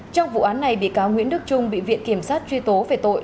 trong vụ án này bị cáo nguyễn đức trung bị viện kiểm sát truy tố về tội